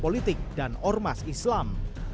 politik dan ormas islam